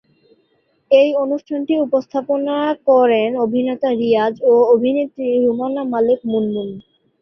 এই অনুষ্ঠানটি উপস্থাপনা করেন অভিনেতা রিয়াজ ও অভিনেত্রী রুমানা মালিক মুনমুন।